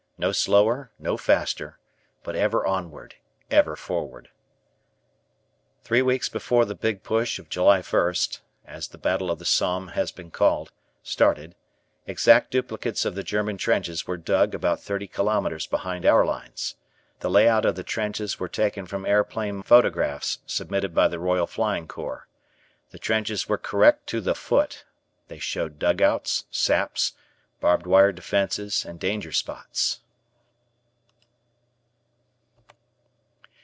No slower, no faster, but ever onward, ever forward. Three weeks before the Big Push of July 1st as the Battle of the Somme has been called started, exact duplicates of the German trenches were dug about thirty kilos behind our lines. The layout of the trenches were taken from aeroplane photographs submitted by the Royal Flying Corps. The trenches were correct to the foot; they showed dugouts, saps, barbed wire defences, and danger spots.